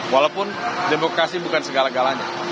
walaupun demokrasi bukan segala galanya